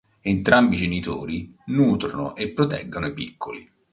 Entrambi i genitori nutrono e proteggono i piccoli.